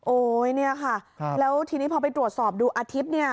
โอ๊ยเนี่ยค่ะแล้วทีนี้พอไปตรวจสอบดูอาทิตย์เนี่ย